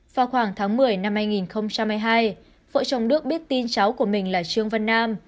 vào khoảng tháng một mươi năm hai nghìn hai mươi hai vợ chồng đức biết tin cháu của mình là trương văn nam